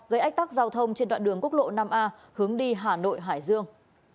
gây ách tắc giao thông trên đoạn đường quốc lộ năm a hướng đi hà nội hải dương